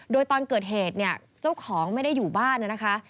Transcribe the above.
โดยตอนเกิดเหตุเนี่ยเจ้าของไม่ได้อยู่บ้านนะคะ